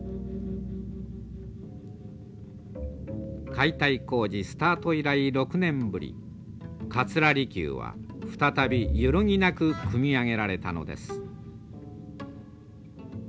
解体工事スタート以来６年ぶり桂離宮は再び揺るぎなく組み上げられたのです。